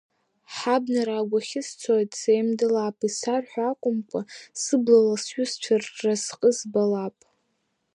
Ҳабнара агәахьы, сцоит, сеимдалап, исарҳәо акәымкәа, сыблала сҩызцәа рразҟы збалап.